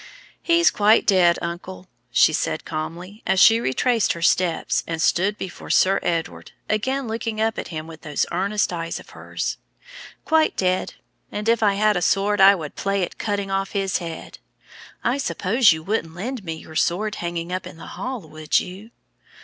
"He's quite dead, uncle," she said calmly, as she retraced her steps and stood before Sir Edward, again looking up at him with those earnest eyes of hers, "quite dead; and if I had a sword I would play at cutting off his head. I suppose you wouldn't lend me your sword hanging up in the hall, would you?"